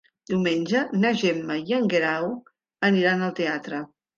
Diumenge na Gemma i en Guerau aniran al teatre.